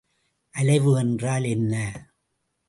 அலைவு என்றால் என்ன?